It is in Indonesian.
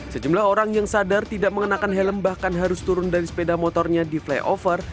sejumlah orang yang sadar tidak mengenakan helm bahkan harus turun dari sepeda motornya di flyover